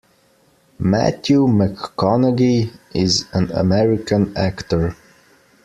Matthew McConaughey is an American actor.